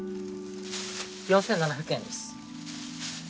４７００円です。